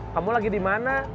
kamu lagi dimana